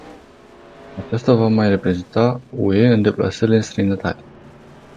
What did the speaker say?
Acesta va mai reprezenta u e în deplasările în străinătate.